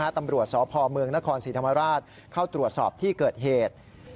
ตำรวจสพเมืองนครศรีธรรมราชเข้าตรวจสอบที่เกิดเหตุ